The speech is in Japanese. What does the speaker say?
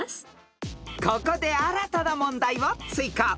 ［ここで新たな問題を追加］